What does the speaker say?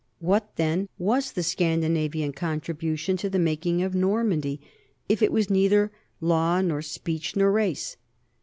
What, then, was the Scandinavian contribution to the making of Normandy if it was neither law nor speech nor race?